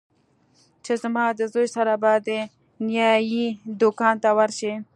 چې زما د زوى سره به د نايي دوکان ته ورشې.